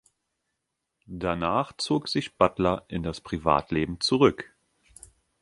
Danach zog sich Butler in das Privatleben zurück.